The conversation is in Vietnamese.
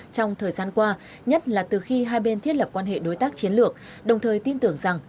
trong thời gian qua nhất là từ khi hai bên thiết lập quan hệ đối tác chiến lược đồng thời tin tưởng rằng